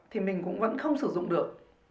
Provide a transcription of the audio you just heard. thì mình cũng vẫn không sử dụng được